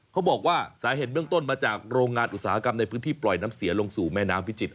เขาบอกว่าสาเหตุเบื้องต้นมาจากโรงงานอุตสาหกรรมในพื้นที่ปล่อยน้ำเสียลงสู่แม่น้ำพิจิตร